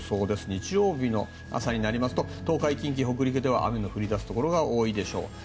日曜日の朝になりますと東海・近畿、北陸では雨の降り出すところが多いでしょう。